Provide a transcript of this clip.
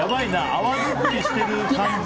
泡づくりしている感じ